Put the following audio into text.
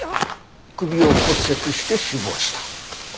首を骨折して死亡した。